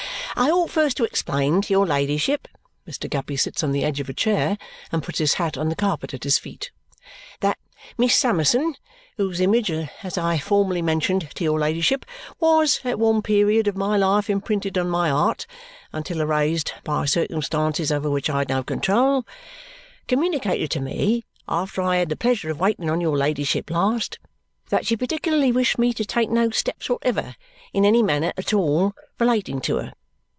I ought first to explain to your ladyship," Mr. Guppy sits on the edge of a chair and puts his hat on the carpet at his feet, "that Miss Summerson, whose image, as I formerly mentioned to your ladyship, was at one period of my life imprinted on my 'eart until erased by circumstances over which I had no control, communicated to me, after I had the pleasure of waiting on your ladyship last, that she particularly wished me to take no steps whatever in any manner at all relating to her.